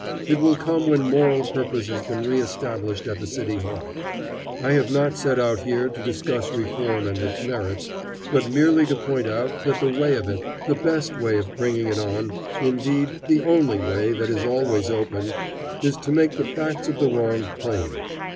It will come when moral purpose has been reestablished at the City Hall. I have not set out here to discuss reform and its merits, but merely to point out that the way of it, the best way of bringing it on indeed, the only way that is always open is to make the facts of the wrong plain.